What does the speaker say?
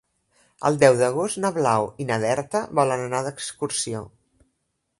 El deu d'agost na Blau i na Berta volen anar d'excursió.